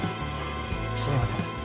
知りません